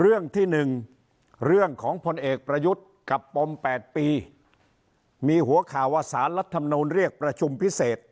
เรื่องที่๑เรื่องของพลเอกประยุทธ์กับปม๘ปีมีหัวข่าวว่าสารรัฐมนูลเรียกประชุมพิเศษ